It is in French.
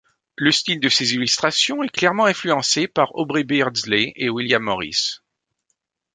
Le style de ses illustrations est clairement influencé par Aubrey Beardsley et William Morris.